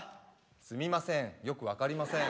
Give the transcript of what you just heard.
すみませんよく分かりません。